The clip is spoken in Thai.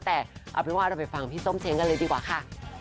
แต่เอาเป็นว่าเราไปฟังพี่ส้มเช้งกันเลยดีกว่าค่ะ